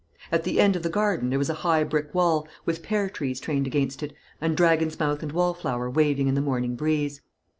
At the end of the garden there was a high brick wall, with pear trees trained against it, and dragon's mouth and wallflower waving in the morning breeze.